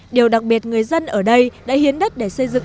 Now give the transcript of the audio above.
điều đặc biệt người dân ở đây đã hiến đất để xây dựng